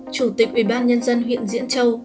chủ tịch ubnd huyện diễn châu